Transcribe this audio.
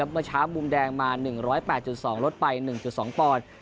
เมื่อเช้ามุมแดงมา๑๐๘๒ลดไป๑๒ปอนด์